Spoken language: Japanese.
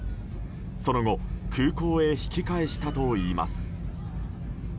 その後空港へ引き返したといいます。